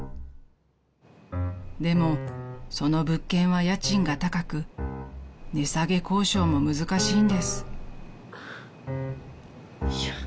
［でもその物件は家賃が高く値下げ交渉も難しいんです］